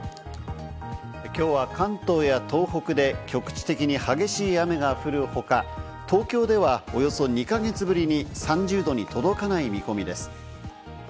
きょうは関東や東北で局地的に激しい雨が降る他、東京ではおよそ２か月ぶりに３０℃に届かない見込みです。